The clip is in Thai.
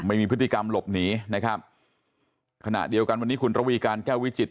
ไม่มีพฤติกรรมหลบหนีนะครับขณะเดียวกันวันนี้คุณระวีการแก้ววิจิต